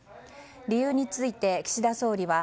理由について、岸田総理は